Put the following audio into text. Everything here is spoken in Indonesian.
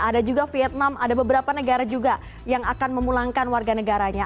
ada juga vietnam ada beberapa negara juga yang akan memulangkan warga negaranya